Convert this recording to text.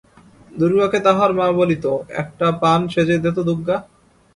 দুর্গাকে তাহার মা বলিত, একটা পান সেজে দে তো দুগগা।